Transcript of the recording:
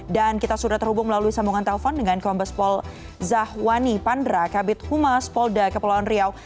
dan kita sudah terhubung melalui sambungan telepon dengan kompes pol zahwani pandra kabit humas polda kepulauan riau